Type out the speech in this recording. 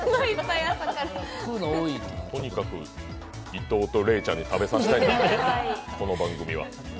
とにかく伊藤とレイちゃんに食べさせたい、この番組は。